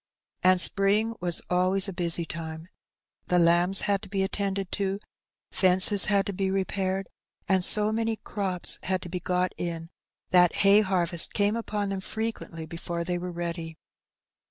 And spring was always a busy time: the lambs had to be at tended to; fences had to be repaired; and so many ^^ crops" had to be got in, that hay harvest came upon them frequently before they were ready.